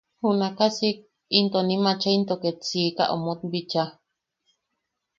Junakaʼa siik, into nim achai into ket siika omot bichaa.